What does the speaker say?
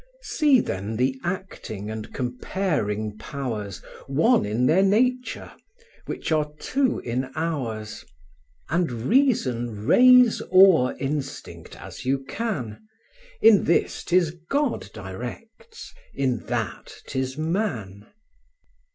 See then the acting and comparing powers One in their nature, which are two in ours; And reason raise o'er instinct as you can, In this 'tis God directs, in that 'tis man.